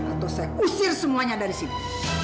atau saya usir semuanya dari situ